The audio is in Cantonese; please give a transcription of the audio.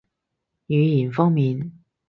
語言方面